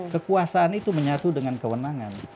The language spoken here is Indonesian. kekuasaan itu menyatu dengan kewenangan